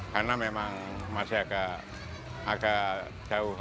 karena memang masih agak jauh